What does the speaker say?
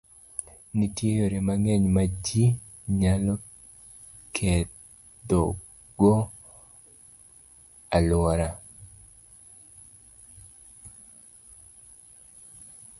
Nitie yore mang'eny ma ji nyalo kethogo alwora.